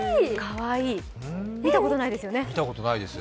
見たことないですよね。